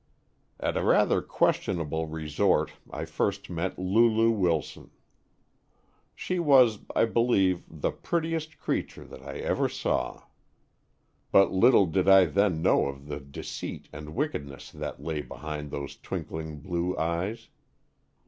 "At a rather questionable resort I first met Lulu Wilson. She was, I believe, the prettiest creature that I ever saw. But little did I then know of the deceit and wickedness that lay behind those twinkling blue eyes.